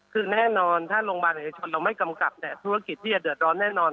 คือแน่นอนถ้าโรงพยาบาลเอกชนเราไม่กำกับธุรกิจที่จะเดือดร้อนแน่นอน